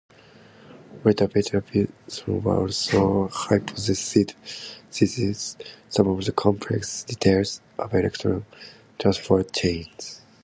Later, Peter Mitchell also hypothesized some of the complex details of electron transport chains.